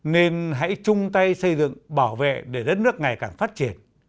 nên hãy chung tay xây dựng bảo vệ để đất nước ngày càng phát triển